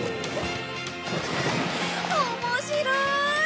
面白い！